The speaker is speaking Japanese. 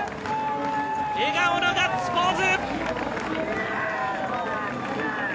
笑顔のガッツポーズ！